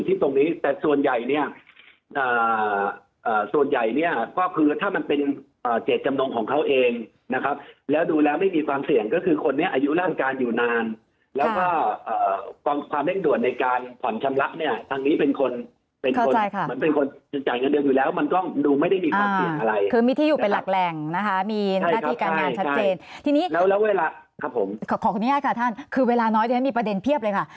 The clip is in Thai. ตรงนี้แต่ส่วนใหญ่เนี่ยส่วนใหญ่เนี่ยก็คือถ้ามันเป็นเจตจำนงของเขาเองนะครับแล้วดูแล้วไม่มีความเสี่ยงก็คือคนนี้อายุร่างการอยู่นานแล้วก็ความเร่งด่วนในการผ่อนชำลักเนี่ยทางนี้เป็นคนเข้าใจค่ะเป็นคนจะจ่ายเงินเดือนอยู่แล้วมันก็ดูไม่ได้มีความเสี่ยงอะไรคือมีที่อยู่เป็นหลักแรงนะคะมีหน้าที่การงานชัดเจ